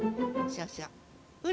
そうそう。